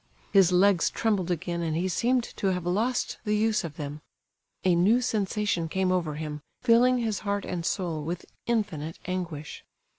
His legs trembled again and he seemed to have lost the use of them. A new sensation came over him, filling his heart and soul with infinite anguish.